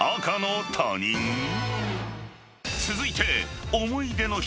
［続いて］